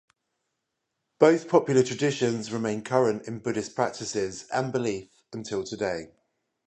Both popular traditions remain current in Buddhist practices and belief until today.